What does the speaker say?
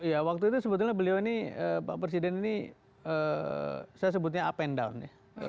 ya waktu itu sebetulnya beliau ini pak presiden ini saya sebutnya up and down ya